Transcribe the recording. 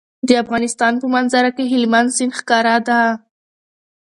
د افغانستان په منظره کې هلمند سیند ښکاره ده.